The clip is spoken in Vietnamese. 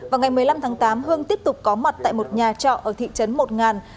vào ngày một mươi năm tháng tám hương tiếp tục có mặt tại một nhà trọ ở thị trấn một ngàn